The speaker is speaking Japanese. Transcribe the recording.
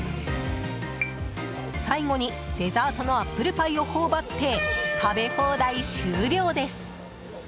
最後にデザートのアップルパイを頬張って、食べ放題終了です。